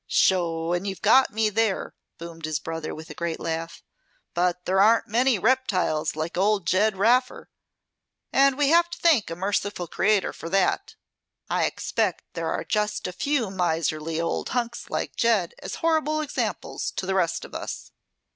"Sho! You've got me there," boomed his brother with a great laugh. "But there aren't many reptiles like old Ged Raffer. And we can thank a merciful Creator for that. I expect there are just a few miserly old hunks like Ged as horrible examples to the rest of us."